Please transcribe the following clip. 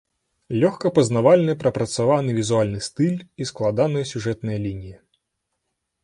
Лёгка пазнавальны прапрацаваны візуальны стыль і складаныя сюжэтныя лініі.